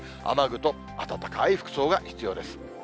雨具と暖かい服装が必要です。